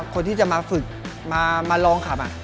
คนที่จะมาฝึกมาลองขับ